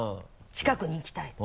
近くに行きたい。